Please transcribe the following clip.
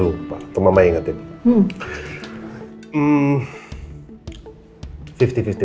lupa tuh mama inget tadi